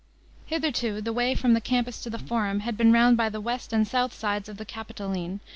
Hitherto the way from the Campus to the Forum had been round by the west and south sides of the Capitoline, through the Porta Carmen tali s.